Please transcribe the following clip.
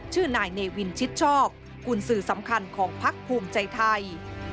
ชื่อนายเนวินชิดชอบกุญสือสำคัญของพักภูมิใจไทย